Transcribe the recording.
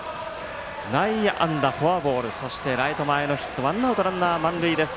内野安打、フォアボールそしてライト前ヒットワンアウト、ランナー満塁です。